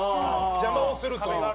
邪魔をするという。